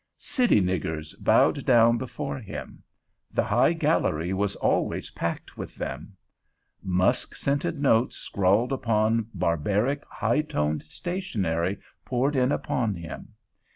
"City niggers" bowed down before him; the high gallery was always packed with them. Musk scented notes scrawled upon barbaric, "high toned" stationery poured in upon him.